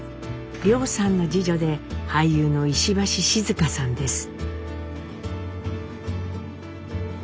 凌さんの次女で俳優の石橋静河さんです。